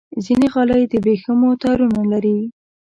ځینې غالۍ د ورېښمو تارونو لري.